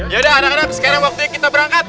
yaudah anak anak sekarang waktunya kita berangkat